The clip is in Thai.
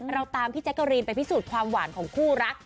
เราตามพี่แจ๊กกะรีนไปพิสูจน์ความหวานของคู่รัก